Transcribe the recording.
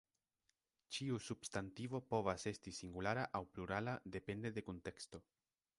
Ĉiu substantivo povas esti singulara aŭ plurala depende de kunteksto.